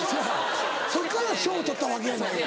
そっから「翔」取ったわけやない。